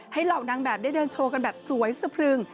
เหล่านางแบบได้เดินโชว์กันแบบสวยสะพรึง